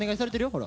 ほら。